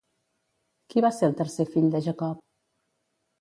Qui va ser el tercer fill de Jacob?